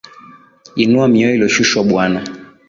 Inua mioyo iliyoshushwa bwana